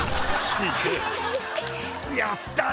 やったな！